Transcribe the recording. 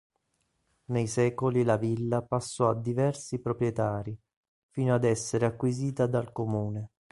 Nei secoli la villa passò a diversi proprietari, fino ad essere acquisita dal Comune.